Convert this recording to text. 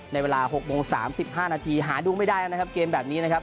ในเวลา๖โมง๓๕นาทีหาดูไม่ได้แล้วนะครับเกมแบบนี้นะครับ